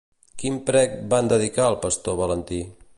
Quin prec van dedicar al pastor Valentí?